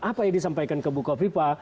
apa yang disampaikan ke bukovipa